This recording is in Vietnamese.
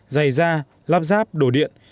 dày da lắp ráp đổ điện